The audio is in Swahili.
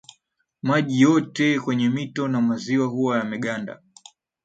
maji yote kwenye mito na maziwa huwa yameganda